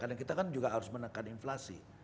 karena kita kan juga harus menekan inflasi